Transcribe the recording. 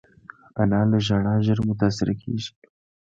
انا له ژړا ژر متاثره کېږي